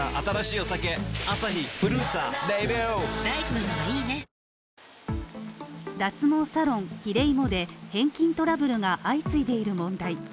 しかし脱毛サロンキレイモで返金トラブルが相次いでいる問題。